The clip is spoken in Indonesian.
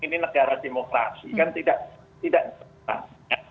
ini negara demokrasi kan tidak jelas